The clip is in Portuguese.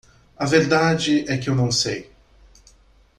A verdade é que eu não sei.